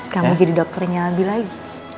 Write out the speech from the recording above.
kamu jadi dokternya lebih lagi